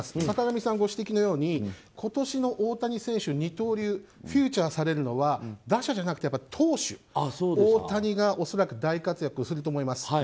坂上さんご指摘のように今年の大谷選手、二刀流フィーチャーされるのは打者じゃなくて投手・大谷が恐らく大活躍すると思います。